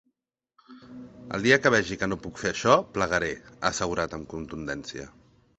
El dia que vegi que no puc fer això, plegaré, ha assegurat amb contundència.